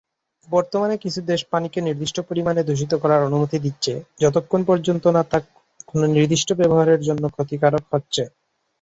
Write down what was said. বর্তমানে কিছু দেশ পানিকে নির্দিষ্ট পরিমানে দূষিত করার অনুমতি দিচ্ছে, যতক্ষণ পর্যন্ত না তা কোন নির্দিষ্ট ব্যবহারের জন্য ক্ষতিকারক হচ্ছে।